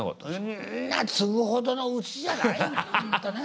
そんな継ぐほどのうちじゃないんだ。